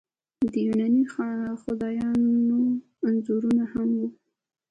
د یوناني خدایانو انځورونه هم وو